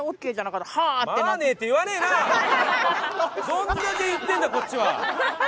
どれだけ言ってるんだこっちは。